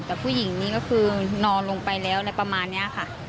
แต่ผู้หญิงนี้ก็คือนอนลงไปแล้วอะไรประมาณนี้ค่ะ